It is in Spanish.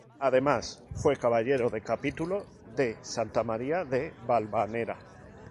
Además fue Caballero del Capítulo de Santa María de Valvanera.